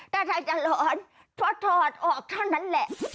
แต่ถ้าจะหลอนพอถอดออกเท่านั้นแหละ